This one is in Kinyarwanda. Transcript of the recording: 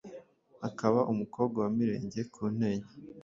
akaba umukobwa wa Mirenge ku Ntenyo